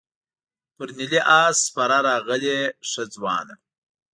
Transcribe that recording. پر نیلي آس سپره راغلې ښه ځوانه.